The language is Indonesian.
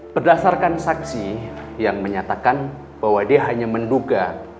berdasarkan saksi yang menyatakan bahwa dia hanya menduga